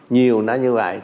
nhiều nó như vậy